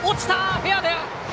フェアだ！